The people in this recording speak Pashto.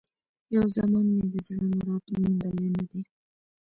یو زمان مي د زړه مراد موندلی نه دی